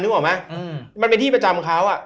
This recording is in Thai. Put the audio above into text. นึกออกมั้ยมันเป็นที่ประจำเค้า